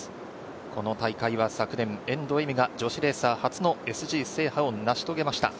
この大会は昨年、遠藤エミが女性レーサー初のＳＧ制覇を成し遂げました。